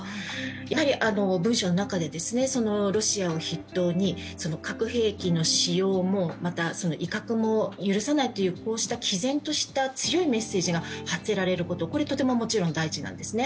やはり文書の中で、ロシアを筆頭に核兵器の使用もまたその威嚇も許さないという、きぜんとした強いメッセージが発せられること、これとても大事なことなんですね。